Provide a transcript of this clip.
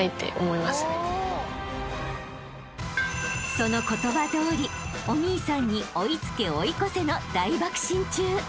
［その言葉どおりお兄さんに追い付け追い越せの］